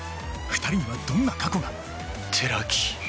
２人にはどんな過去が寺木。